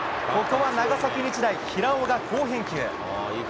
ここは長崎日大、平尾が好返球。